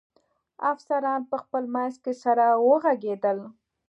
افسران په خپل منځ کې سره و غږېدل.